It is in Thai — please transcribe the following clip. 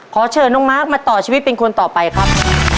ขอเชิญน้องมาร์คมาต่อชีวิตเป็นคนต่อไปครับ